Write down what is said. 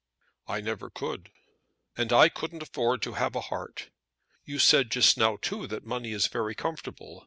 "I never could." "And I couldn't afford to have a heart. You said just now, too, that money is very comfortable.